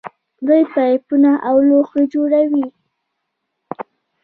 دوی پایپونه او لوښي جوړوي.